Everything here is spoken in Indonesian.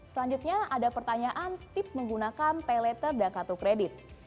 selanjutnya ada pertanyaan tips menggunakan pay later dan kartu kredit